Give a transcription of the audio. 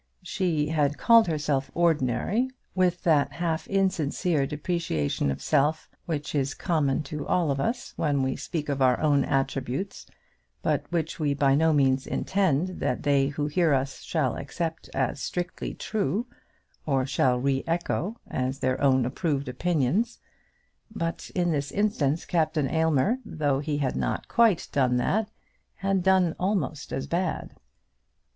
She had called herself ordinary with that half insincere depreciation of self which is common to all of us when we speak of our own attributes, but which we by no means intend that they who hear us shall accept as strictly true, or shall re echo as their own approved opinions. But in this instance Captain Aylmer, though he had not quite done that, had done almost as bad.